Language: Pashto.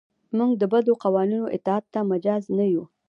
موږ د بدو قوانینو اطاعت ته مجاز نه یو.